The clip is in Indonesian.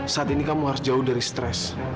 saat ini kamu harus jauh dari stres